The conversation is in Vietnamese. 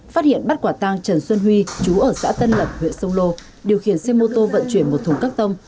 phát hiện bắt quả tăng trần xuân huy chú ở xã tân lập huyện sông lô điều khiển xe mô tô vận chuyển một thùng các tông